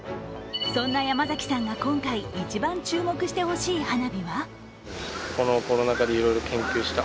そんな山崎さんが今回、一番注目してほしい花火は？